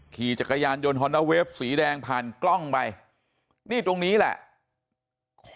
ขี่จักรยานยนต์ฮอนนาเวฟสีแดงผ่านกล้องไปนี่ตรงนี้แหละ